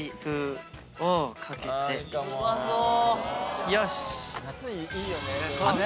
うまそう！